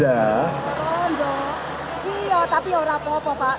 iya tapi ya tidak apa apa pak